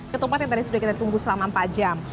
ketupat yang tadi sudah kita tunggu selama empat jam